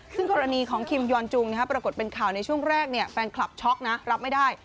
ซึ่งกรณีของคิมยอนจุงปรากฏเป็นข่าวในช่วงแรกแฟนคลับช็อกนะรับไม่ได้